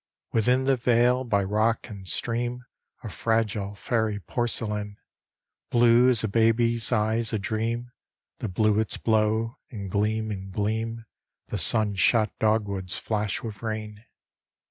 Within the vale, by rock and stream, A fragile, fairy porcelain, Blue as a baby's eyes a dream, The bluets blow; and gleam in gleam The sun shot dog woods flash with rain.